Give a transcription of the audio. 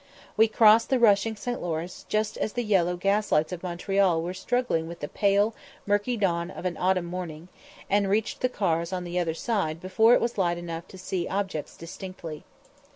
We crossed the rushing St. Lawrence just as the yellow gas lights of Montreal were struggling with the pale, murky dawn of an autumn morning, and reached the cars on the other side before it was light enough to see objects distinctly.